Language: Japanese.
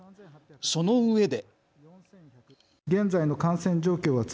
そのうえで。